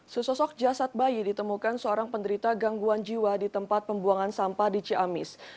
sesosok jasad bayi ditemukan seorang penderita gangguan jiwa di tempat pembuangan sampah di ciamis